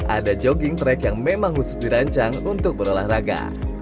ada jogging track yang memang khusus dirancang untuk berolahraga